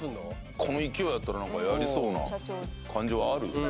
この勢いだったらやりそうな感じはあるよ